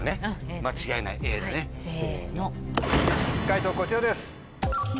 解答こちらです。